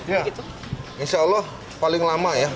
insya allah paling lama ya